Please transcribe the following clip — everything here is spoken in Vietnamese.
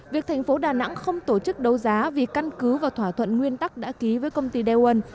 việc thành phố đà nẵng không tổ chức đấu giá vì căn cứ và thỏa thuận nguyên tắc đã ký với công ty daewon